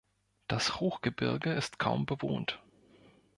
Das Hochgebirge ist kaum bewohnt.